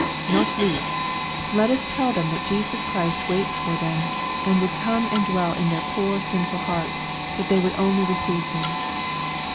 Not least, let us tell them that Jesus Christ waits for them, and would come and dwell in their poor sinful hearts, if they would only receive Him.